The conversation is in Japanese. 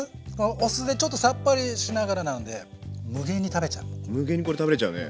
お酢でちょっとさっぱりしながらなんで無限にこれ食べれちゃうね。